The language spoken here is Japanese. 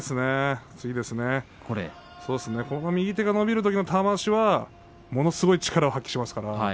右手が伸びるときの玉鷲はものすごい力を発揮します。